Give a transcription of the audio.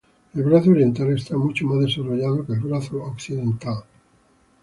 El brazo oriental está mucho más desarrollado que el brazo occidental.